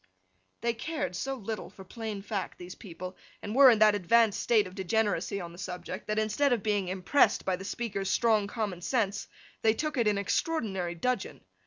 They cared so little for plain Fact, these people, and were in that advanced state of degeneracy on the subject, that instead of being impressed by the speaker's strong common sense, they took it in extraordinary dudgeon.